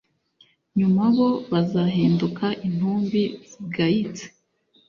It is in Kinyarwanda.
Nyuma bo bazahinduka intumbi zigayitse,